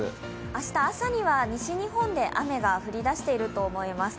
明日朝には西日本で雨が降りだしていると思います。